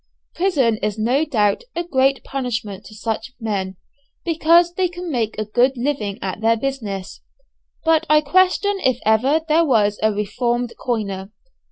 Prison is no doubt a great punishment to such men, because they can make a good living at their business; but I question if ever there was a reformed coiner.